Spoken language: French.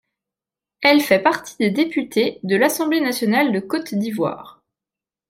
Elle fait partie des députés de l’Assemblée nationale de Côte d’Ivoire.